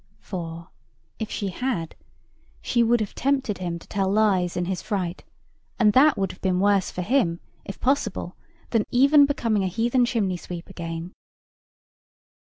For, if she had, she would have tempted him to tell lies in his fright; and that would have been worse for him, if possible, than even becoming a heathen chimney sweep again.